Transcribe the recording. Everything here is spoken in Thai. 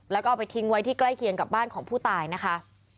แล้วก็เอาไปทิ้งไว้ที่ใกล้เคียงกับบ้านของผู้ตายนะคะ